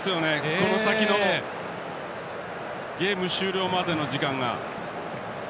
この先のゲーム終了までの時間が。